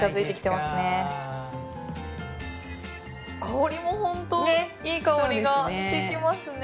香りもホントいい香りがしてきますね。